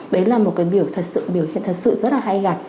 đó là một biểu hiện thật sự rất hay gặp